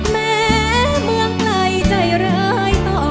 แม้เมืองไกลใจร้ายต่อ